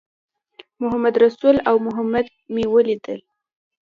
محمدرسول او محمد مې ولیدل.